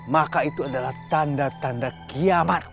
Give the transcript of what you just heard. maka itu adalah tanda tanda kiamat